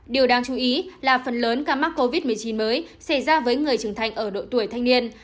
điều đáng chú ý là phần lớn ca mắc covid một mươi chín mới xảy ra với người trưởng thành ở độ tuổi thanh niên